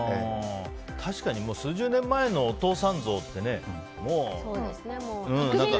確かに、数十年前のお父さん像ってね。